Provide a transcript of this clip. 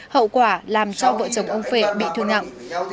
hậu quả làm cho vợ chồng ông vệ bị thương nặng